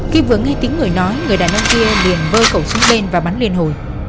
khi vừa nghe tiếng người nói người đàn ông kia liền vơi cẩu súng lên và bắn liền hồi